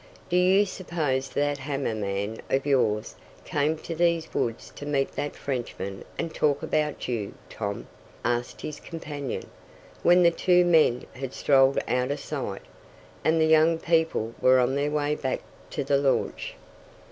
"Do you suppose that hammer man of yours came to these woods to meet that Frenchman and talk about you, Tom?" asked his companion, when the two men had strolled out of sight, and the young people were on their way back to the launch.